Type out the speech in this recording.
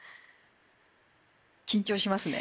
緊張しますか？